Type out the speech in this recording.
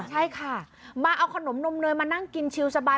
ใช่ค่ะมาเอาขนมนมเนยมานั่งกินชิลสบาย